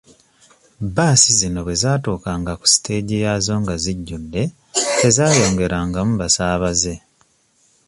Bbaasi zino bwe zaatuukanga ku siteegi yaazo nga zijjudde tezaayongerangamu basaabaze.